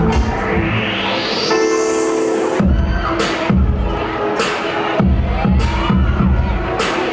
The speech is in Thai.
ไม่ต้องถามไม่ต้องถาม